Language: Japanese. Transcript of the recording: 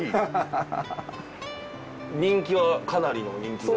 人気はかなりの人気が。